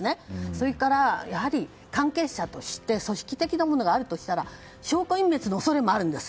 それから、やはり関係者として組織的なものがあるとしたら証拠隠滅の恐れもあるんです。